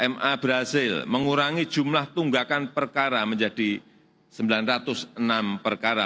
ma berhasil mengurangi jumlah tunggakan perkara menjadi sembilan ratus enam perkara